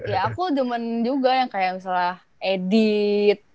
ya aku cuman juga yang kayak misalnya edit